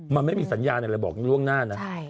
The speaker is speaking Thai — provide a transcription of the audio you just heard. มันไม่มีสัญญาณอะไรบอกล่วงหน้านะ